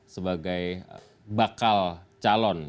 sebagai bakal calon